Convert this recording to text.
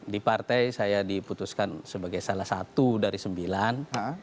di partai saya diputuskan sebagai salah satu dari sembilan